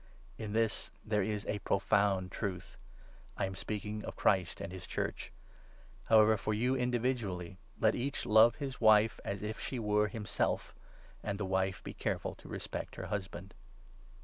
In this there is a profound truth — I am speaking of Christ 32 and his Church. However, for you individually, let each love 33 his wife as if she were himself; and the wife be careful to respect her husband.